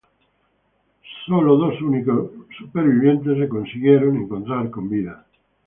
Se consiguió encontrar con vida dos únicos supervivientes.